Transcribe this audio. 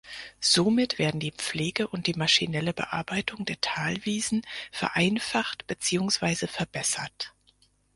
Somit werden die Pflege und die maschinelle Bearbeitung der Talwiesen vereinfacht beziehungsweise verbessert.